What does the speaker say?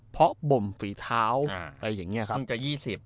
เพาะบ่มฝีท้าวอะไรอย่างนี้ครับ